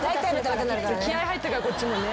気合入ってるからこっちもね。